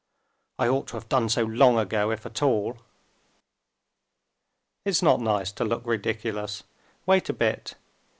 "I ought to have done so long ago, if at all." "It's not nice to look ridiculous.... Wait a bit!